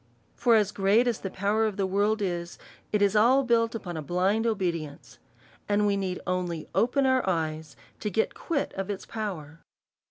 For as great as the power of the world is, it is all built DEVOUT AND HOLY LIFE. 221 upon a blind obedience, and we need only open our eyes, to get quit of its power.